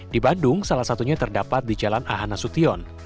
di bandung salah satunya terdapat di jalan ahanasution